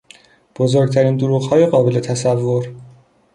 بزرگترین دروغهای قابل تصور